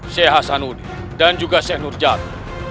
seh hasan udi dan juga seh nur jatuh